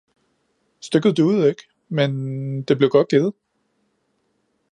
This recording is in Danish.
Stykket duede ikke, men det blev godt givet.